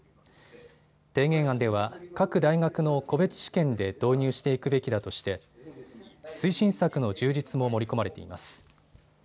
提言案では各大学の個別試験で導入していくべきだとして推進策の充実も盛り込まれています。